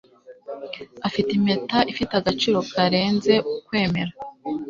Afite impeta ifite agaciro karenze ukwemera.